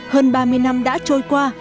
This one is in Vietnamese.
hơn ba mươi năm đã trôi qua